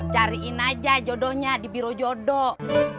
cariin aja jodohnya di biro jodoh